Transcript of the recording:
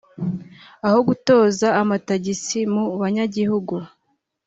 aho gutoza amatagisi mu banyagihugu